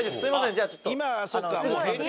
じゃあちょっと。